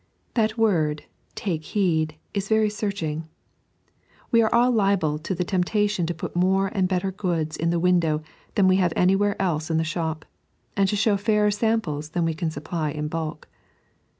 That word " Take heed " is very searching. We are all liable to the temptation to put more and better goods in the window than we have anywhere else in the shop, and to show fairer samples than we can supply in bulk.